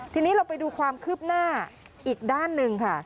ทีนี้เราไปดูความคืบหน้าอีกด้านหนึ่งค่ะ